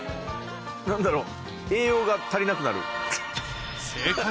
何だろう。